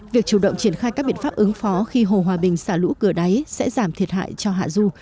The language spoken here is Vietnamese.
việc chủ động triển khai các biện pháp ứng phó khi hồ hòa bình xả lũ cửa đáy sẽ giảm thiệt hại cho hạ du